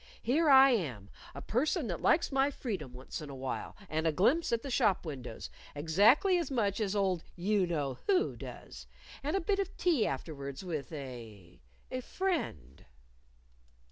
Here I am, a person that likes my freedom once in a while, and a glimpse at the shop windows, exactly as much as old you know who does and a bit of tea afterwards with a a friend."